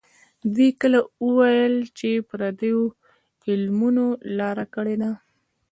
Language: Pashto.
دوی کله ویل چې پردیو علمونو لاره کړې ده.